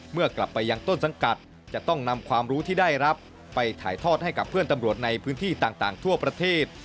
เมื่อกลับไปยังต้นสังกัดจะต้องนำความรู้ที่ได้รับไปถ่ายทอดให้กับเพื่อนตำรวจในพื้นที่ต่างทั่วประเทศ